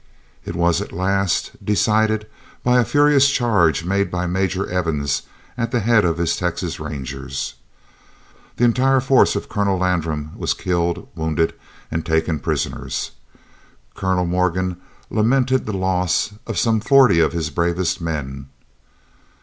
It was at last decided by a furious charge made by Major Evans at the head of his Texas rangers. The entire force of Colonel Landram was killed, wounded, and taken prisoners. Colonel Morgan lamented the loss of some forty of his bravest men.